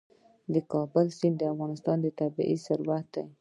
د کابل سیند د افغانستان طبعي ثروت دی.